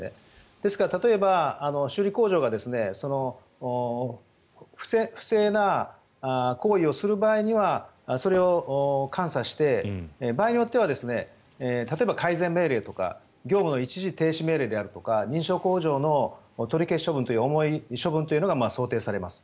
ですから例えば、修理工場が不正な行為をする場合にはそれを監査して、場合によっては例えば改善命令とか業務の一時停止命令であるとか認証工場の取り消し処分という重い処分というのが想定されます。